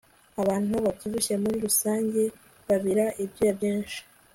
abantu babyibushye muri rusange babira ibyuya byinshi